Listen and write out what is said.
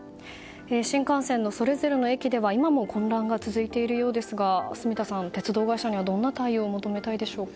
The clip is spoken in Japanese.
新幹線のそれぞれの駅では今も混乱が続いているようですが住田さん、鉄道会社にはどんな対応を求めたいでしょうか。